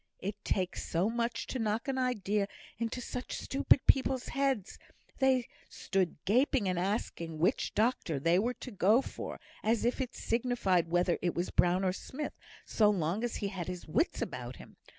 "It takes so much to knock an idea into such stupid people's heads. They stood gaping and asking which doctor they were to go for, as if it signified whether it was Brown or Smith, so long as he had his wits about him.